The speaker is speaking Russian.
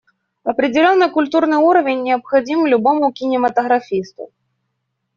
Определенный культурный уровень необходим любому кинематографисту.